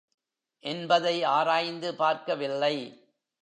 என்பதை ஆராய்ந்து பார்க்கவில்லை.